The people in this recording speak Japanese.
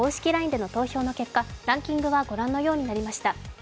ＬＩＮＥでの投票の結果、ランキングはご覧のようになりました。